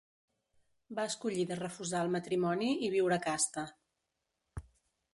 Va escollir de refusar el matrimoni i viure casta.